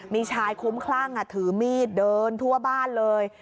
มีชายคุ้มคลั่งถือมีดเดินทั่วบ้านเลย